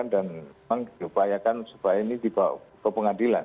dan memang diupayakan supaya ini dibawa ke pengadilan